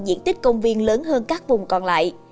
diện tích công viên lớn hơn các vùng còn lại